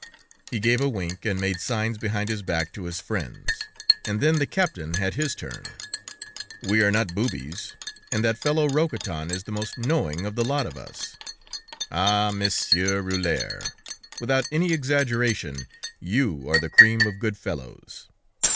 He gave a wink, and made signs behind his back to his friends, and then the captain had his turn. "We are not boobies, and that fellow Roquetton is the most knowing of the lot of us.... Ah! Monsieur Rulhière, without any exaggeration, you are the cream of good fellows."